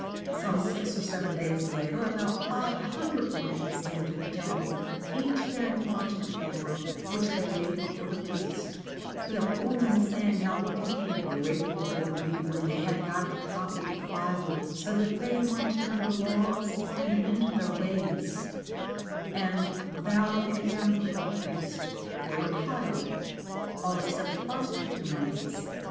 Some six or seven days later about five hundred monkeys came to the temple, each bearing parchment paper, which they laid before the priest, their foreman saying how deeply grateful they would be when they had got the copy of the Bible, so that they might know the laws and mend their ways ; and, bowing again before the priest, they retired, all except the first two monkeys.